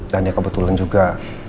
dan ya kebetulan juga